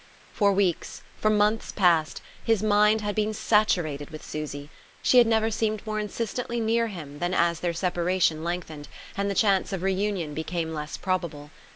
For weeks, for months past, his mind had been saturated with Susy: she had never seemed more insistently near him than as their separation lengthened, and the chance of reunion became less probable.